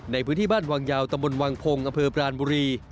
ในพื้นที่บ้านวังยาวตำบลวังพงศ์อำเภอปรานบุรี